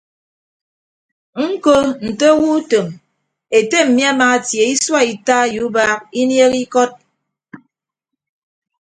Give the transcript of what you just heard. Ñko nte owo utom ete emi amaatie isua ita ye ubaak inieehe ikọt.